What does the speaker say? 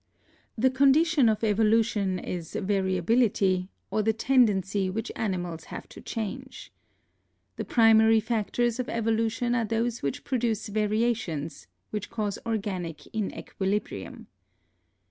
The condition of evolution is variability, or the tend ency which animals have to change. The primary factors of evolution are those which produce variations, which cause organic inequilibrium.